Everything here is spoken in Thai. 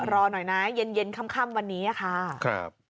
รอหน่อยนะเย็นค่ำวันนี้ค่ะ